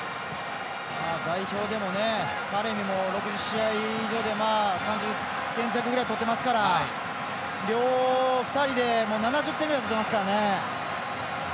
代表でもタレミも６０試合以上で３０点弱ぐらい取ってますから２人で７０点ぐらい取ってますからね。